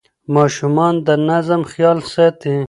ماشومان د نظم خیال ساتي.